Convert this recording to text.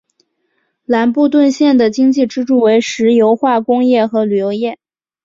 兰布顿县的经济支柱为石油化工业和旅游业。